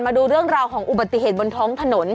มาดูเรื่องราวของอุบัติเหตุบนท้องถนน